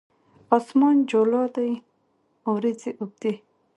اسمان جولا دی اوریځې اوبدي